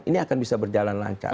ini akan bisa berjalan lancar